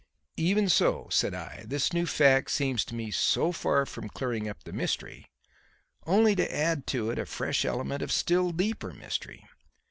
"Even so," said I, "this new fact seems to me so far from clearing up the mystery, only to add to it a fresh element of still deeper mystery.